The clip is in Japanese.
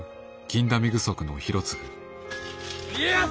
家康！